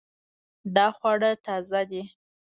دا خواړه تازه دي